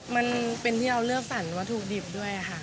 มันเป็นที่เราเลือกสรรวัตถุดิบด้วยค่ะ